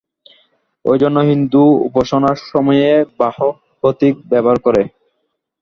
এইজন্য হিন্দু উপাসনার সময়ে বাহ্য প্রতীক ব্যবহার করে।